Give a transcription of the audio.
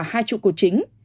hai trụ cột chính